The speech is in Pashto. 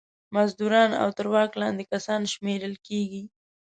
مزدوران او تر واک لاندې کسان شمېرل کیږي.